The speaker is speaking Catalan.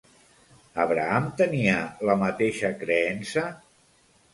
Abraham tenia la mateixa creença?